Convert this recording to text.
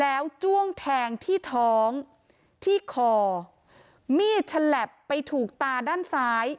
แล้วจ้วงแทงที่ท้องที่คอมีดฉลับไปถูกตาด้านซ้าย